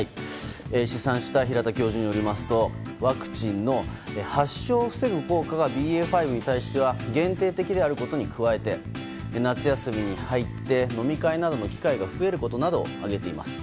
試算した平田教授によりますとワクチンの、発症を防ぐ効果がＢＡ．５に対しては限定的であることに加えて夏休みに入って、飲み会などの機会が増えることなどを挙げています。